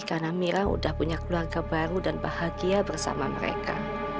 karena mira sudah punya keluarga baru dan bahagia bersama mereka